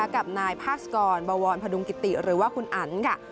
กับนายพาสกรบวรพดุงกิติหรือว่าคุณอันค่ะ